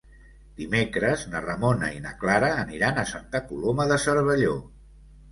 Dimecres na Ramona i na Clara aniran a Santa Coloma de Cervelló.